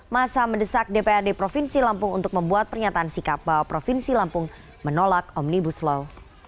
masa mendesak dprd provinsi lampung untuk membuat pernyataan sikap bahwa provinsi lampung menolak omnibus law